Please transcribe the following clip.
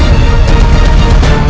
aku akan menemukanmu